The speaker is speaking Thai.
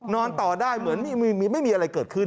ต่อได้เหมือนไม่มีอะไรเกิดขึ้น